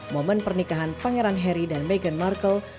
momen pernikahan pangeran harry dan meghan markle